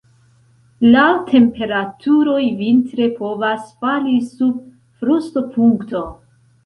La temperaturoj vintre povas fali sub frostopunkto.